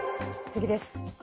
次です。